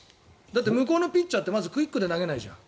向こうのピッチャーってクイックで投げないじゃん。